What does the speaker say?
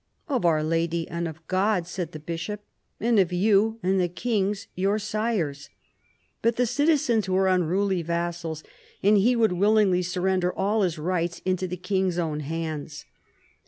".Of Our Lady and of God," said the bishop, "and of you and the kings your sires." But the citizens were unruly vassals, and he would willingly surrender all his rights into the king's own hands.